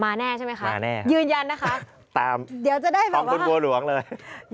มาแน่ใช่ไหมคะยืนยันนะครับตามคุณบัวหลวงเลย